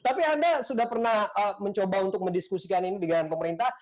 tapi anda sudah pernah mencoba untuk mendiskusikan ini dengan pemerintah